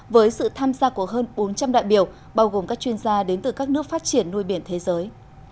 với sự tham gia của hơn bốn trăm linh đại biểu bao gồm các chuyên gia đến từ các nước phát triển nuôi biển thế giới